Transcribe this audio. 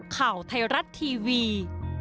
ข่าวไทยรัฐทีวี